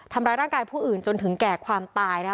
ทำร้ายร่างกายผู้อื่นจนถึงแก่ความตายนะคะ